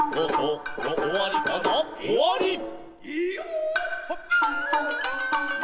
「おわり」